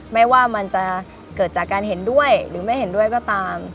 ไม่ว่ามันจะเกิดจากการเห็นด้วยหรือไม่เห็นด้วยก็ตาม